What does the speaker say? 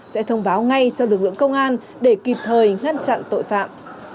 sẽ thông báo ngay cho lực lượng công an để kịp thời ngăn chặn tội phạm